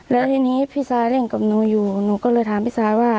แล้วทีนี้พี่ซาเล่นกับหนูอยู่หนูก็เลยถามพี่ซาว่า